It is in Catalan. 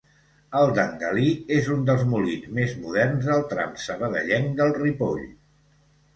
El d'en Galí és un dels molins més moderns del tram sabadellenc del Ripoll.